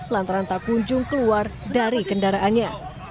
lantaran takunjung keluar dari kendaraannya